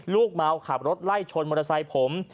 ลูกเมาขับรถไล่ชนมอเตอร์ไซค์ผม